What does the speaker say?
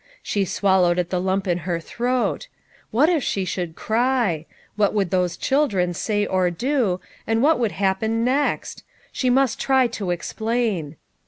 She swallowed at. the lump in her throat. What if she should cry ! what would those children say or do, and what would hap pen next ? she must try to explain.